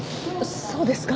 そうですか？